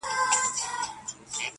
و دښمن ته معلوم شوی زموږ زور وو-